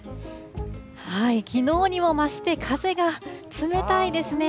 きのうにも増して、風が冷たいですね。